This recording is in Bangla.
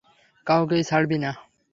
কাউকেই ছাড়বি না!